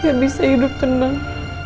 yang bisa hidup tenang